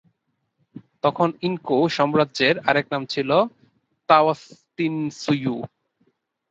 তখন ইনকা সাম্রাজ্যের আরেক নাম ছিল তাওয়ান্তিনসুইয়ু।